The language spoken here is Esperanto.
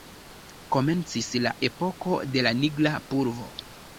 Komencis la epoko de la nigra pulvo.